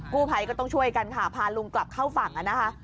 ผู้ภัยก็ต้องช่วยกันค่ะพาลุงกลับเข้าฝั่งนะคะ